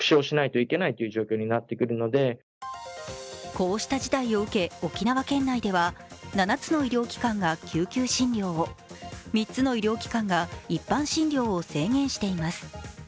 こうした事態を受け、沖縄県内では７つの医療機関が緊急診療を、３つの医療機関が一般診療を制限しています。